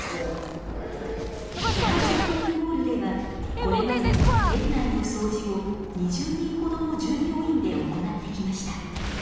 このショッピングモールではこれまで店内のそうじを２０人ほどの従業員で行ってきました。